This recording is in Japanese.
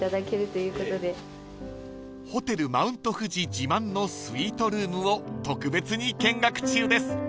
［ホテルマウント富士自慢のスイートルームを特別に見学中です］